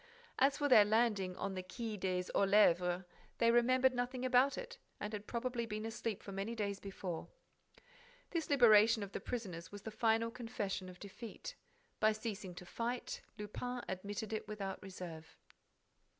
As for their landing on the Quai des Orfèvres, they remembered nothing about it and had probably been asleep for many days before. This liberation of the prisoners was the final confession of defeat. By ceasing to fight, Lupin admitted it without reserve.